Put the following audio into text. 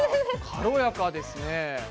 軽やかですね。